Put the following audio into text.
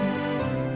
ya kita ke sekolah